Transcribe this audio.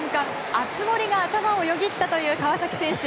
熱盛が頭をよぎったという川崎選手。